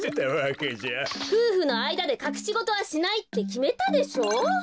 ふうふのあいだでかくしごとはしないってきめたでしょ？